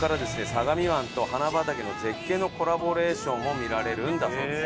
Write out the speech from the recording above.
相模湾と花畑の絶景のコラボレーションも見られるんだそうです。